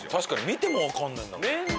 見てもわかんないんだもん。